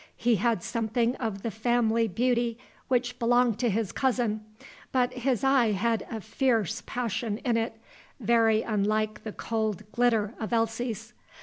He had something of the family beauty which belonged to his cousin, but his eye had a fierce passion in it, very unlike the cold glitter of Elsie's.